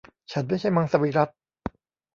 ฉันไม่ใช่มังสวิรัติ